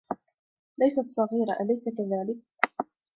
ليست صغيرة ، أليس كذلك ؟